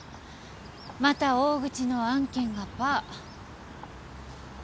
また大口の案件がパー。